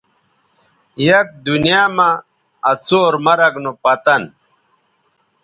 یک دنیاں مہ آ څور مرگ نو پتن